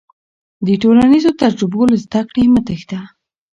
د ټولنیزو تجربو له زده کړې مه تېښته.